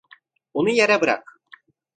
Onu yere bırak!